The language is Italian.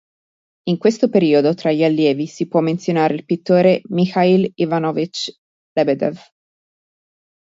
In questo periodo tra gli allievi si può menzionare il pittore Michail Ivanovič Lebedev.